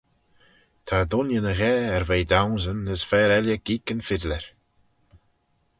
Ta dooinney ny ghaa er ve daunsyn as fer elley geeck yn fiddler.